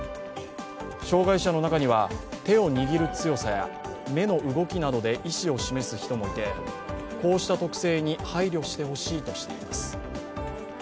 障害者の中には、手を握る強さや目の動きなどで意思を示す人もいて、こうした特性に配慮してほしいとしています。